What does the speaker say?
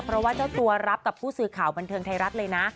เพราะว่าเจ้าตัวรับกับผู้สื่อข่าวบันเทิงไทยรัฐเลยนะ